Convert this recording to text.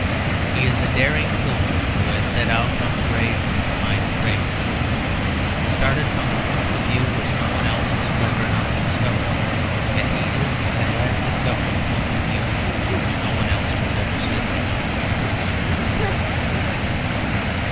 He is a daring pilgrim who has set out from the grave to find the cradle. He started from points of view which no one else was clever enough to discover, and he is at last discovering points of view which no one else was ever stupid enough to ignore.